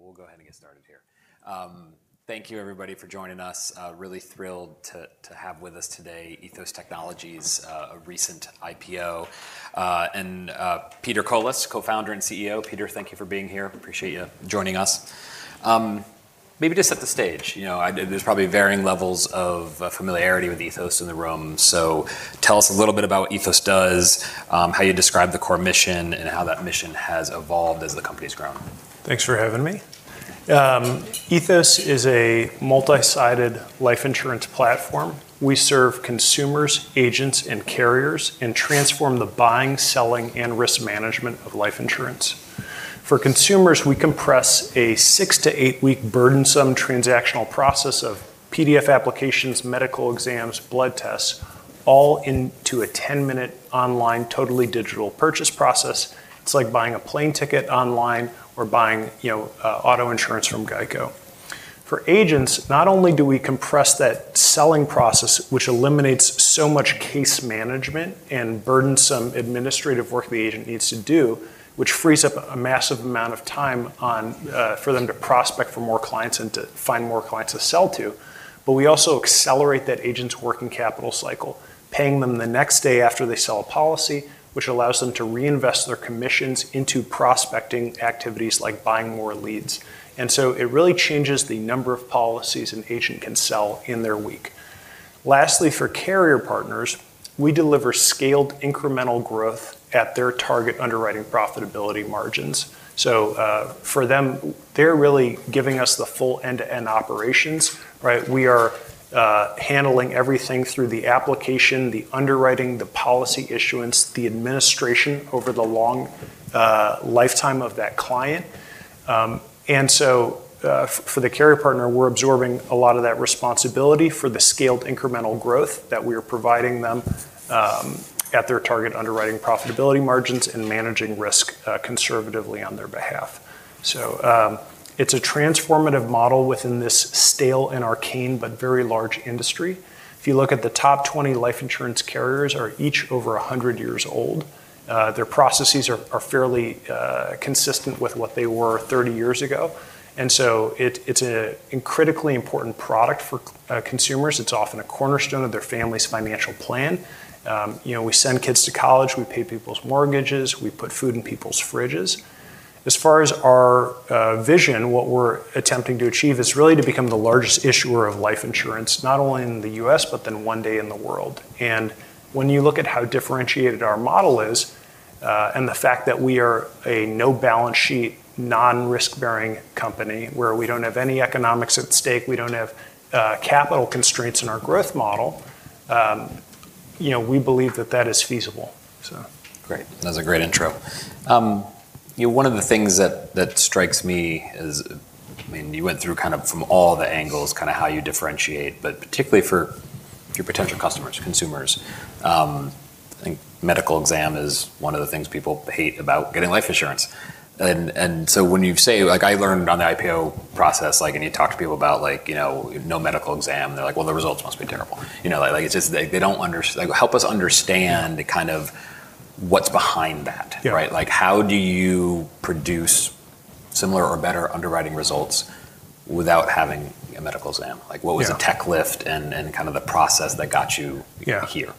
All right, wonderful. We'll go ahead and get started here. Thank you everybody for joining us. Really thrilled to have with us today Ethos Technologies, a recent IPO, and Peter Colis, Co-founder and CEO. Peter, thank you for being here. Appreciate you joining us. Maybe just set the stage. You know, there's probably varying levels of familiarity with Ethos in the room, so tell us a little bit about what Ethos does, how you describe the core mission, and how that mission has evolved as the company's grown. Thanks for having me. Ethos is a multi-sided life insurance platform. We serve consumers, agents, and carriers and transform the buying, selling, and risk management of life insurance. For consumers, we compress a six to eight week burdensome transactional process of PDF applications, medical exams, blood tests, all into a 10-minute online, totally digital purchase process. It's like buying a plane ticket online or buying, you know, auto insurance from GEICO. For agents, not only do we compress that selling process, which eliminates so much case management and burdensome administrative work the agent needs to do, which frees up a massive amount of time for them to prospect for more clients, and to find more clients to sell to, but we also accelerate that agent's working capital cycle, paying them the next day after they sell a policy, which allows them to reinvest their commissions into prospecting activities like buying more leads. It really changes the number of policies an agent can sell in their week. Lastly, for carrier partners, we deliver scaled incremental growth at their target underwriting profitability margins. For them, they're really giving us the full end-to-end operations, right? We are handling everything through the application, the underwriting, the policy issuance, the administration over the long lifetime of that client. For the carrier partner, we're absorbing a lot of that responsibility for the scaled incremental growth that we are providing them at their target underwriting profitability margins and managing risk conservatively on their behalf. It's a transformative model within this stale, and arcane but very large industry. If you look at the top 20 life insurance carriers are each over 100 years old. Their processes are fairly consistent with what they were 30 years ago. It's a critically important product for consumers. It's often a cornerstone of their family's financial plan. You know, we send kids to college, we pay people's mortgages, we put food in people's fridges. As far as our vision, what we're attempting to achieve is really to become the largest issuer of life insurance, not only in the U.S., but then one day in the world. When you look at how differentiated our model is, and the fact that we are a no balance sheet, non-risk-bearing company, where we don't have any economics at stake, we don't have capital constraints in our growth model, you know, we believe that that is feasible, so. Great. That was a great intro. You know, one of the things that strikes me, I mean, you went through kind of from all the angles kinda how you differentiate, but particularly for your potential customers, consumers, I think medical exam is one of the things people hate about getting life insurance. When you say, like, I learned on the IPO process, like, and you talk to people about, like, you know, no medical exam, they're like, "Well, the results must be terrible." You know? Like, it's just they don't. Like, help us understand. Yeah... kind of what's behind that. Yeah. Right? Like, how do you produce similar or better underwriting results without having a medical exam? Like what was. Yeah... the tech lift and kind of the process that got you... Yeah... here?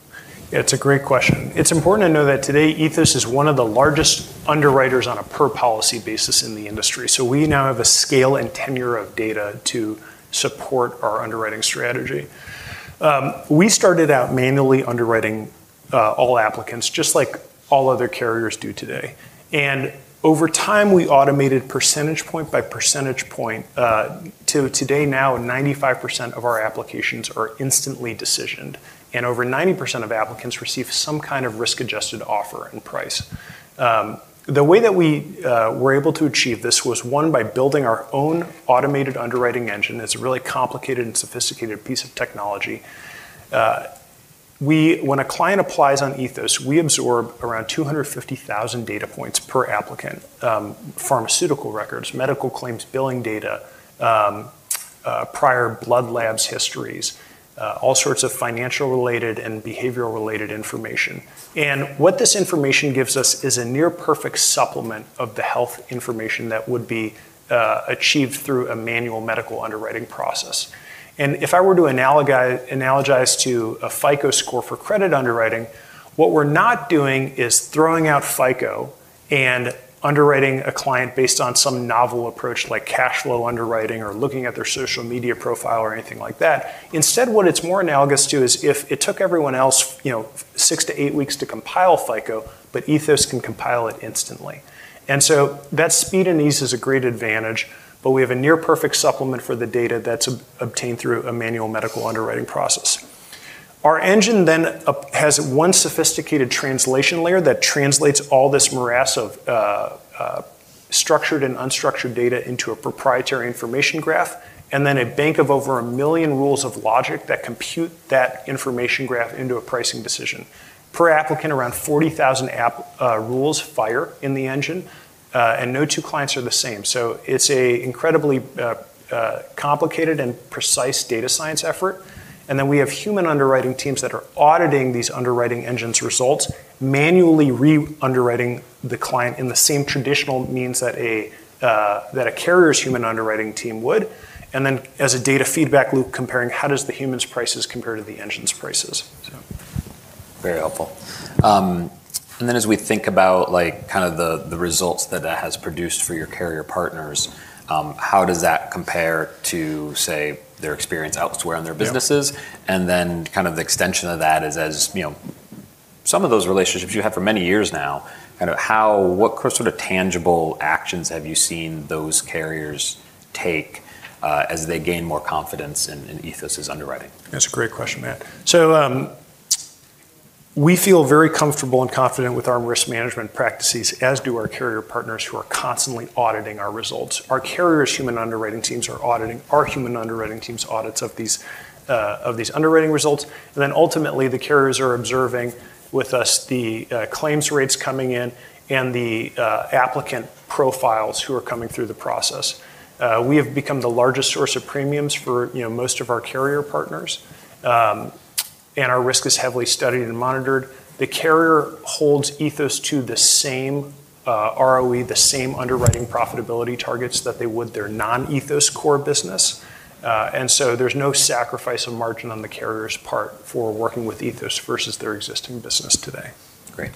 It's a great question. It's important to know that today Ethos is one of the largest underwriters on a per policy basis in the industry, so we now have a scale and tenure of data to support our underwriting strategy. We started out manually underwriting all applicants, just like all other carriers do today. Over time, we automated percentage point by percentage point to today now, 95% of our applications are instantly decisioned, and over 90% of applicants receive some kind of risk-adjusted offer and price. The way that we were able to achieve this was, one, by building our own automated underwriting engine. It's a really complicated and sophisticated piece of technology. When a client applies on Ethos, we absorb around 250,000 data points per applicant, pharmaceutical records, medical claims, billing data, prior blood labs histories, all sorts of financial-related, and behavioral-related information. What this information gives us is a near perfect supplement of the health information that would be achieved through a manual medical underwriting process. If I were to analogize to a FICO score for credit underwriting, what we're not doing is throwing out FICO, and underwriting a client based on some novel approach like cash flow underwriting or looking at their social media profile or anything like that. Instead, what it's more analogous to is if it took everyone else, you know, six to eight weeks to compile FICO, but Ethos can compile it instantly. That speed and ease is a great advantage, but we have a near perfect supplement for the data that's obtained through a manual medical underwriting process. Our engine has one sophisticated translation layer that translates all this morass of structured and unstructured data into a proprietary knowledge graph, and then a bank of over 1 million rules of logic that compute that knowledge graph into a pricing decision. Per applicant, around 40,000 app rules fire in the engine, and no two clients are the same. It's a incredibly complicated, and precise data science effort. We have human underwriting teams that are auditing these underwriting engines' results, manually re-underwriting the client in the same traditional means that a that a carrier's human underwriting team would. As a data feedback loop comparing how does the human's prices compare to the engine's prices. Very helpful. As we think about, like, kind of the results that that has produced for your carrier partners, how does that compare to, say, their experience elsewhere in their businesses? Yeah. kind of the extension of that is as, you know, some of those relationships you've had for many years now, what sort of tangible actions have you seen those carriers take, as they gain more confidence in Ethos' underwriting? That's a great question, Matt. We feel very comfortable, and confident with our risk management practices, as do our carrier partners who are constantly auditing our results. Our carrier's human underwriting teams are auditing our human underwriting team's audits of these underwriting results. Ultimately, the carriers are observing with us the claims rates coming in, and the applicant profiles who are coming through the process. We have become the largest source of premiums for, you know, most of our carrier partners. Our risk is heavily studied, and monitored. The carrier holds Ethos to the same ROE, the same underwriting profitability targets that they would their non-Ethos core business. There's no sacrifice of margin on the carrier's part for working with Ethos versus their existing business today. Great.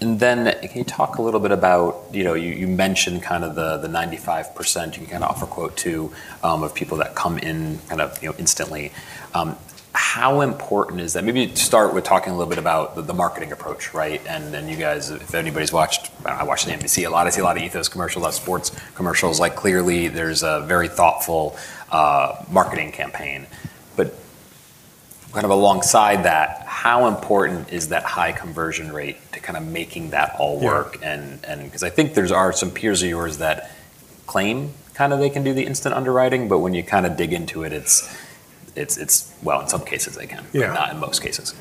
Can you talk a little bit about, you mentioned kind of the 95% you can offer quote to of people that come in kind of instantly. How important is that? Maybe start with talking a little bit about the marketing approach, right? You guys, if anybody's watched, I watch the NBC a lot. I see a lot of Ethos commercials, a lot of sports commercials. Like, clearly there's a very thoughtful marketing campaign. Kind of alongside that, how important is that high conversion rate to kind of making that all work? Yeah 'Cause I think there are some peers of yours that claim kinda they can do the instant underwriting, but when you kinda dig into it's, well, in some cases they can. Yeah. Not in most cases.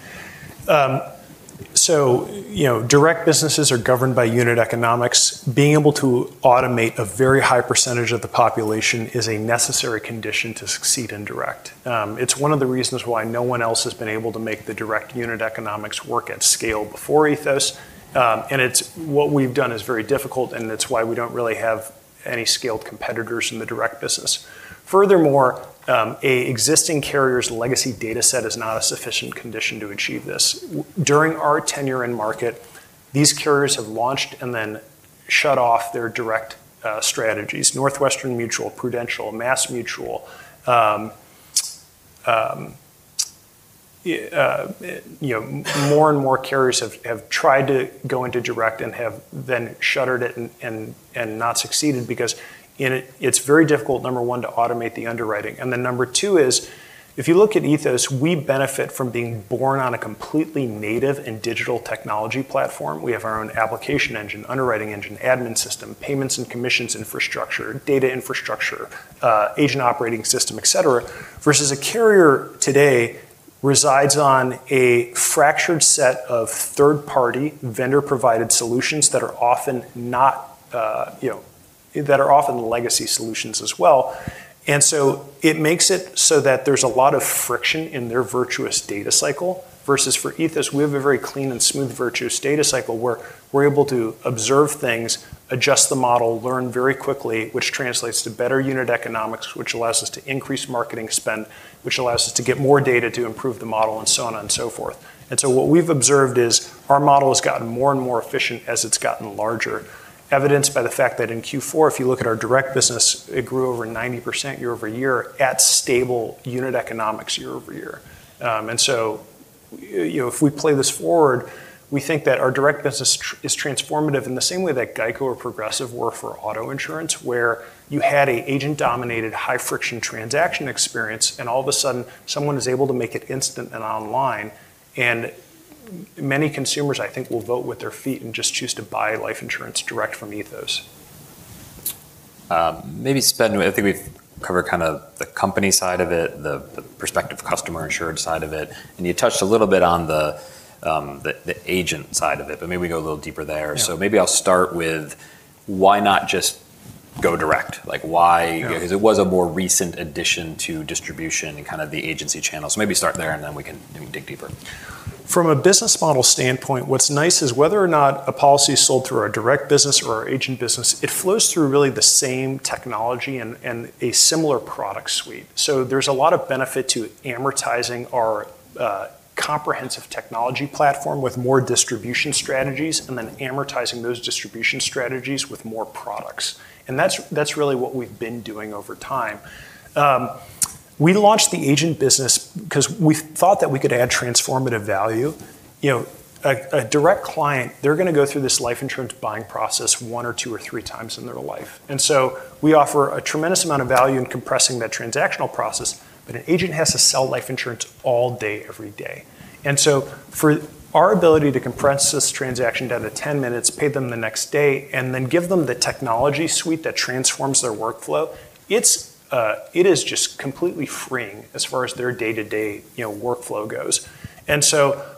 You know, direct businesses are governed by unit economics. Being able to automate a very high percentage of the population is a necessary condition to succeed in direct. It's one of the reasons why no one else has been able to make the direct unit economics work at scale before Ethos. What we've done is very difficult, and it's why we don't really have any scaled competitors in the direct business. Furthermore, a existing carrier's legacy data set is not a sufficient condition to achieve this. During our tenure in market, these carriers have launched and then shut off their direct strategies. Northwestern Mutual, Prudential, MassMutual, you know, more and more carriers have tried to go into direct and have then shuttered it and not succeeded because it's very difficult, number one, to automate the underwriting. Number two, is, if you look at Ethos, we benefit from being born on a completely native and digital technology platform. We have our own application engine, underwriting engine, admin system, payments and commissions infrastructure, data infrastructure, agent operating system, et cetera, versus a carrier today resides on a fractured set of third-party vendor-provided solutions that are often legacy solutions as well. It makes it so that there's a lot of friction in their virtuous data cycle versus for Ethos, we have a very clean and smooth virtuous data cycle where we're able to observe things, adjust the model, learn very quickly, which translates to better unit economics, which allows us to increase marketing spend, which allows us to get more data to improve the model and so on and so forth. What we've observed is our model has gotten more and more efficient as it's gotten larger, evidenced by the fact that in Q4, if you look at our direct business, it grew over 90% year-over-year at stable unit economics year-over-year. You know, if we play this forward, we think that our direct business is transformative in the same way that GEICO or Progressive were for auto insurance, where you had a agent-dominated high-friction transaction experience, and all of a sudden someone is able to make it instant and online, and many consumers, I think, will vote with their feet, and just choose to buy life insurance direct from Ethos. Maybe I think we've covered kind of the company side of it, the prospective customer insured side of it, and you touched a little bit on the agent side of it, but maybe we go a little deeper there. Yeah. Maybe I'll start with why not just go direct? Yeah... 'cause it was a more recent addition to distribution, and kind of the agency channel. Maybe start there, and then we can, we can dig deeper. From a business model standpoint, what's nice is whether or not a policy is sold through our direct business or our agent business, it flows through really the same technology, and a similar product suite. There's a lot of benefit to amortizing our comprehensive technology platform with more distribution strategies, and then amortizing those distribution strategies with more products. That's really what we've been doing over time. We launched the agent business 'cause we thought that we could add transformative value. You know, a direct client, they're gonna go through this life insurance buying process one or two or three times in their life. We offer a tremendous amount of value in compressing that transactional process, but an agent has to sell life insurance all day, every day. For our ability to compress this transaction down to 10 minutes, pay them the next day, and then give them the technology suite that transforms their workflow, it's, it is just completely freeing as far as their day-to-day, you know, workflow goes.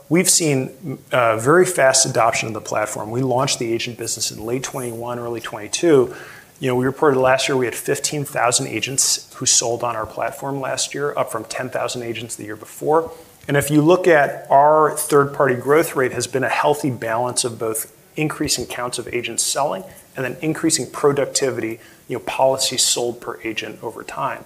We've seen very fast adoption of the platform. We launched the agent business in late 2021, early 2022. You know, we reported last year we had 15,000 agents who sold on our platform last year, up from 10,000 agents the year before. If you look at our third-party growth rate has been a healthy balance of both increasing counts of agents selling and then increasing productivity, you know, policies sold per agent over time.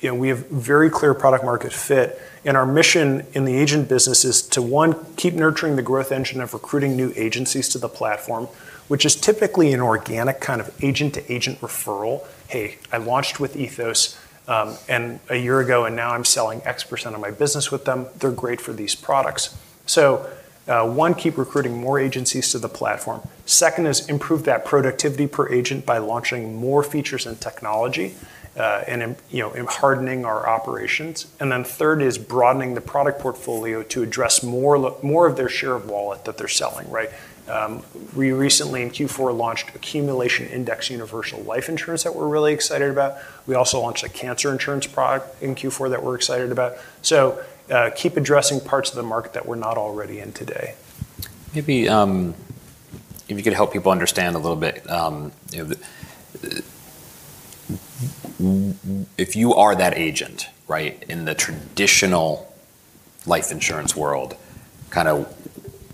You know, we have very clear product market fit, and our mission in the agent business is to, one, keep nurturing the growth engine of recruiting new agencies to the platform, which is typically an organic kind of agent-to-agent referral. "Hey, I launched with Ethos, and a year ago, and now I'm selling X% of my business with them. They're great for these products." One, keep recruiting more agencies to the platform. Second is improve that productivity per agent by launching more features and technology, and, you know, in hardening our operations. Third is broadening the product portfolio to address more of their share of wallet that they're selling, right? We recently in Q4 launched accumulation Indexed Universal Life Insurance that we're really excited about. We also launched a cancer insurance product in Q4 that we're excited about. Keep addressing parts of the market that we're not already in today. Maybe, if you could help people understand a little bit, you know, the, if you are that agent, right, in the traditional life insurance world, kinda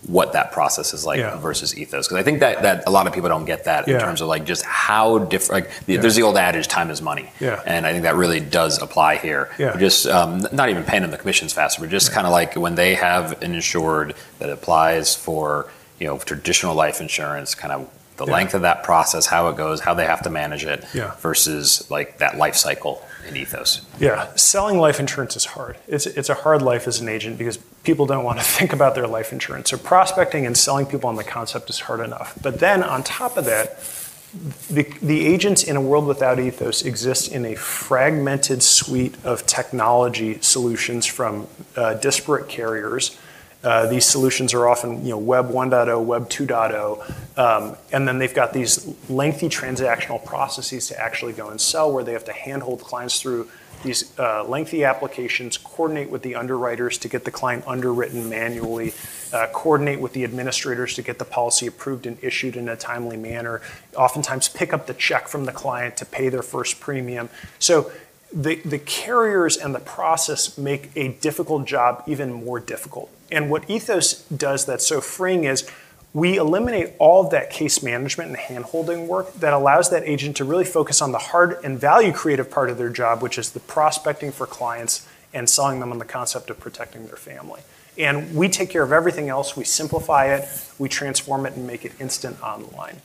what that process is like. Yeah... versus Ethos. 'Cause I think that a lot of people don't get that- Yeah... in terms of, like, just how like, there's the old adage, "Time is money. Yeah. I think that really does apply here. Yeah. Just, not even paying them the commissions faster, but just kinda like when they have an insured that applies for, you know, traditional life insurance, kinda the length of that process, how it goes, how they have to manage it. Yeah... versus, like, that life cycle in Ethos. Yeah. Selling life insurance is hard. It's a hard life as an agent because people don't wanna think about their life insurance. Prospecting and selling people on the concept is hard enough. On top of that, the agents in a world without Ethos exist in a fragmented suite of technology solutions from disparate carriers. These solutions are often, you know, web 1.0, web 2.0, and then they've got these lengthy transactional processes to actually go and sell, where they have to handhold clients through these lengthy applications, coordinate with the underwriters to get the client underwritten manually, coordinate with the administrators to get the policy approved and issued in a timely manner, oftentimes pick up the check from the client to pay their first premium. The carriers, and the process make a difficult job even more difficult. What Ethos does that's so freeing is we eliminate all of that case management, and handholding work that allows that agent to really focus on the hard and value-creative part of their job, which is the prospecting for clients and selling them on the concept of protecting their family. We take care of everything else. We simplify it, we transform it, and make it instant online.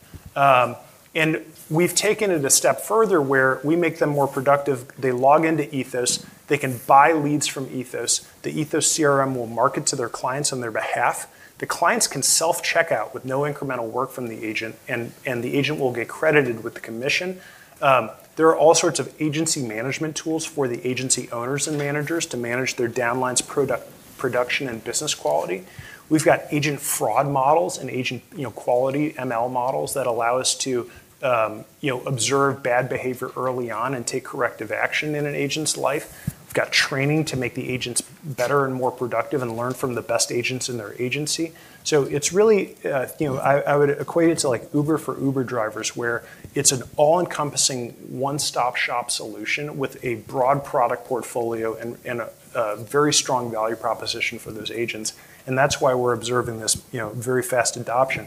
We've taken it a step further, where we make them more productive. They log into Ethos, they can buy leads from Ethos, the Ethos CRM will market to their clients on their behalf. The clients can self-checkout with no incremental work from the agent, and the agent will get credited with the commission. There are all sorts of agency management tools for the agency owners and managers to manage their downline's production and business quality. We've got agent fraud models and agent, you know, quality ML models that allow us to, you know, observe bad behavior early on and take corrective action in an agent's life. We've got training to make the agents better and more productive, and learn from the best agents in their agency. It's really, you know, I would equate it to, like, Uber for Uber drivers, where it's an all-encompassing one-stop-shop solution with a broad product portfolio and a very strong value proposition for those agents, and that's why we're observing this, you know, very fast adoption.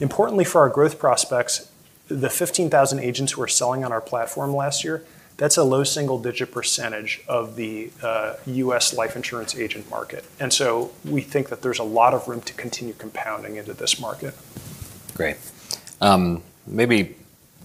Importantly for our growth prospects, the 15,000 agents who were selling on our platform last year, that's a low single-digit % of the U.S. life insurance agent market. We think that there's a lot of room to continue compounding into this market. Great. Maybe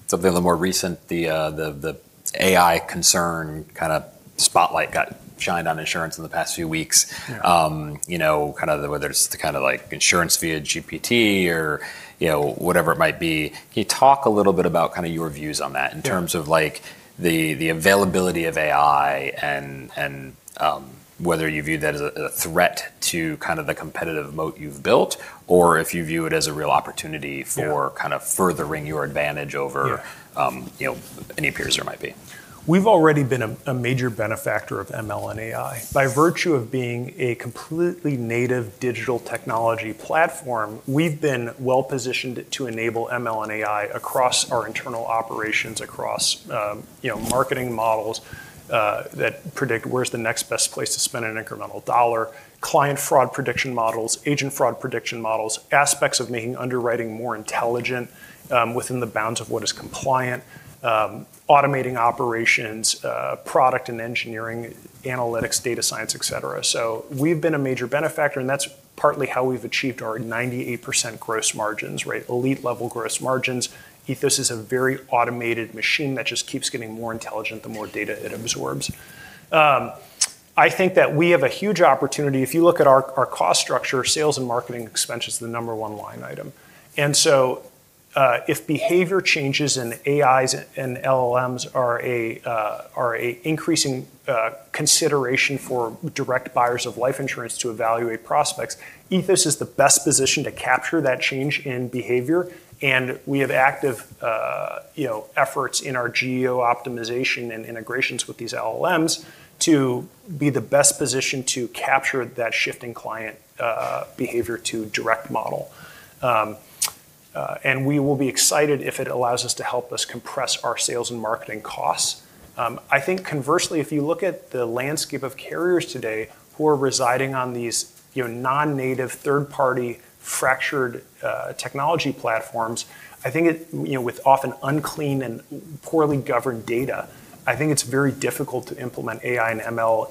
something a little more recent, the AI concern kinda spotlight got shined on insurance in the past few weeks. Yeah. you know, kind of whether it's the kinda like insurance via GPT or, you know, whatever it might be. Can you talk a little bit about kinda your views on that? Yeah... in terms of, like, the availability of AI and whether you view that as a threat to kind of the competitive moat you've built, or if you view it as a real opportunity? Yeah... kind of furthering your advantage over- Yeah... you know, any peers there might be. We've already been a major benefactor of ML and AI. By virtue of being a completely native digital technology platform, we've been well-positioned to enable ML and AI across our internal operations, across, you know, marketing models that predict where's the next best place to spend an incremental dollar, client fraud prediction models, agent fraud prediction models, aspects of making underwriting more intelligent, within the bounds of what is compliant, automating operations, product and engineering, analytics, data science, et cetera. We've been a major benefactor, and that's partly how we've achieved our 98% gross margins, right? Elite level gross margins. Ethos is a very automated machine that just keeps getting more intelligent the more data it absorbs. I think that we have a huge opportunity. If you look at our cost structure, sales and marketing expense is the number one line item. If behavior changes in AIs and LLMs are a increasing consideration for direct buyers of life insurance to evaluate prospects, Ethos is the best position to capture that change in behavior. We have active, you know, efforts in our geo-optimization, and integrations with these LLMs to be the best positioned to capture that shift in client behavior to direct model. We will be excited if it allows us to help us compress our sales and marketing costs. I think conversely, if you look at the landscape of carriers today who are residing on these, you know, non-native third-party... fractured technology platforms, I think it, you know, with often unclean, and poorly governed data, I think it's very difficult to implement AI and ML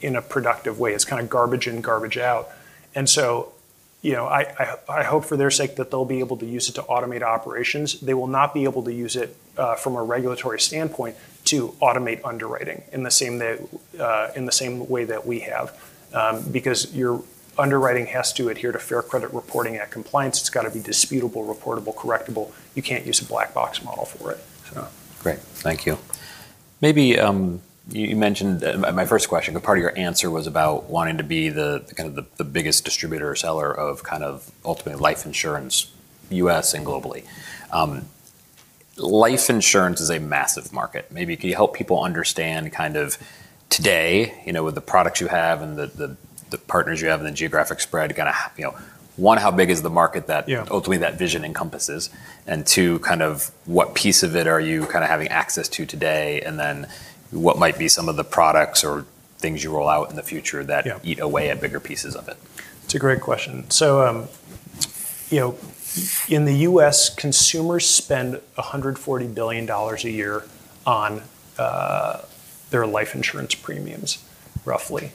in a productive way. It's kinda garbage in, garbage out. You know, I hope for their sake that they'll be able to use it to automate operations. They will not be able to use it from a regulatory standpoint to automate underwriting in the same that in the same way that we have because your underwriting has to adhere to Fair Credit Reporting Act compliance. It's gotta be disputable, reportable, correctable. You can't use a black box model for it. Great. Thank you. Maybe you mentioned my first question, the part of your answer was about wanting to be the kind of the biggest distributor or seller of kind of ultimately life insurance, U.S. and globally. Life insurance is a massive market. Maybe can you help people understand kind of today, you know, with the products you have and the partners you have and the geographic spread, kinda you know, one, how big is the market? Yeah... ultimately that vision encompasses? and two, kind of what piece of it are you kind of having access to today? What might be some of the products or things you roll out in the future that... Yeah... eat away at bigger pieces of it? It's a great question. You know, in the US, consumers spend $140 billion a year on their life insurance premiums, roughly.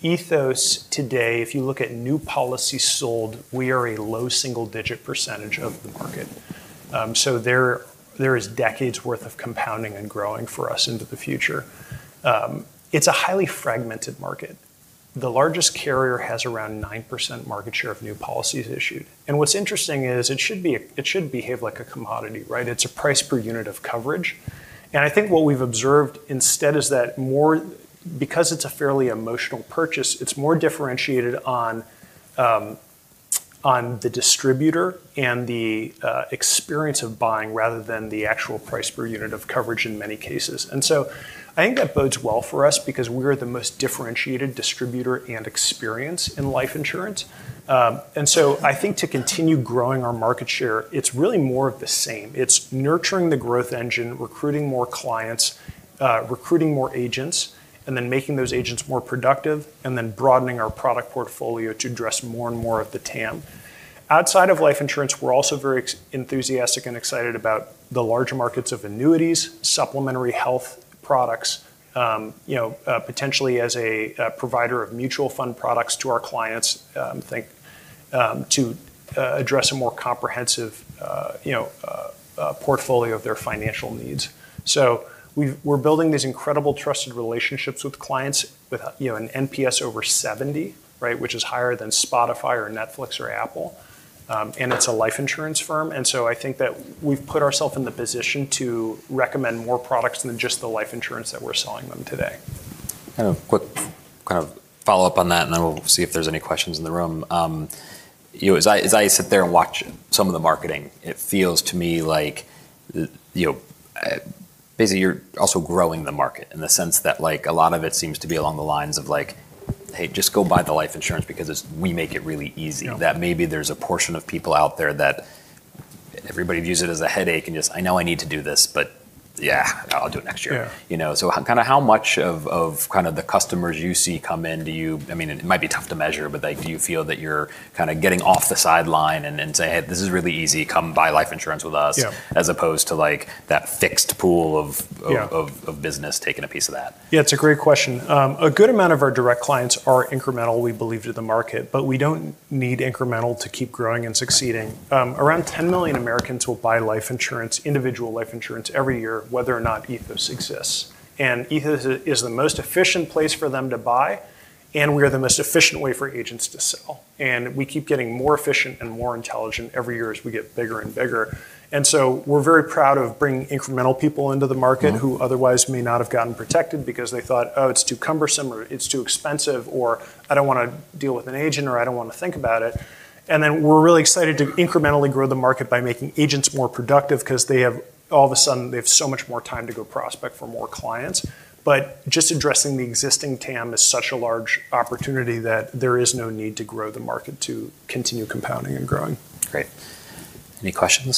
Ethos today, if you look at new policies sold, we are a low single-digit % of the market. So there is decades' worth of compounding and growing for us into the future. It's a highly fragmented market. The largest carrier has around 9% market share of new policies issued. What's interesting is it should behave like a commodity, right? It's a price per unit of coverage. I think what we've observed instead is that because it's a fairly emotional purchase, it's more differentiated on the distributor and the experience of buying rather than the actual price per unit of coverage in many cases. I think that bodes well for us because we're the most differentiated distributor, and experience in life insurance. I think to continue growing our market share, it's really more of the same. It's nurturing the growth engine, recruiting more clients, recruiting more agents, and then making those agents more productive, and then broadening our product portfolio to address more and more of the TAM. Outside of life insurance, we're also very enthusiastic and excited about the larger markets of annuities, supplementary health products, you know, potentially as a provider of mutual fund products to our clients, think to address a more comprehensive, you know, portfolio of their financial needs. We're building these incredible trusted relationships with clients with, you know, an NPS over 70, right? Which is higher than Spotify or Netflix or Apple. It's a life insurance firm, I think that we've put ourselves in the position to recommend more products than just the life insurance that we're selling them today. Kind of quick, kind of follow-up on that. Then we'll see if there's any questions in the room. You know, as I, as I sit there and watch some of the marketing, it feels to me like, you know, basically you're also growing the market in the sense that, like, a lot of it seems to be along the lines of like, "Hey, just go buy the life insurance because we make it really easy. Yeah. Maybe there's a portion of people out there that everybody views it as a headache and just, "I know I need to do this, but yeah, I'll do it next year. Yeah. You know, kinda how much of kind of the customers you see come in, do you I mean, it might be tough to measure, but like do you feel that you're kinda getting off the sideline and say, "Hey, this is really easy. Come buy life insurance with us"? Yeah. As opposed to like that fixed pool of- Yeah... of business taking a piece of that. Yeah, it's a great question. A good amount of our direct clients are incremental, we believe, to the market, but we don't need incremental to keep growing, and succeeding. Around 10 million Americans will buy life insurance, individual life insurance every year, whether or not Ethos exists. Ethos is the most efficient place for them to buy, and we are the most efficient way for agents to sell. We keep getting more efficient, and more intelligent every year as we get bigger, and bigger. We're very proud of bringing incremental people into the market. Mm-hmm... who otherwise may not have gotten protected because they thought, "Oh, it's too cumbersome," or, "It's too expensive," or, "I don't wanna deal with an agent," or, "I don't wanna think about it." We're really excited to incrementally grow the market by making agents more productive 'cause they have, all of a sudden, they have so much more time to go prospect for more clients. Just addressing the existing TAM is such a large opportunity that there is no need to grow the market to continue compounding and growing. Great. Any questions?